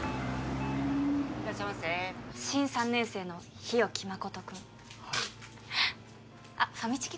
いらっしゃいませ新３年生の日沖誠君はいあっファミチキ